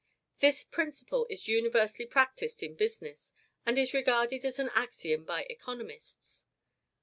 This principle is universally practised in business, and is regarded as an axiom by the economists.